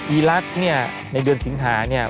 อีรักษ์เนี่ยในเดือนสิงหาเนี่ย